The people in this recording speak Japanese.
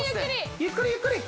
ゆっくりゆっくり。